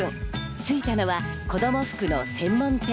着いたのは子供服の専門店。